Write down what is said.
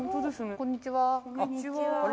こんにちは。